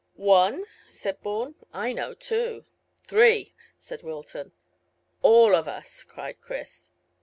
"One?" said Bourne. "I know two." "Three," said Wilton. "All of us," cried Chris.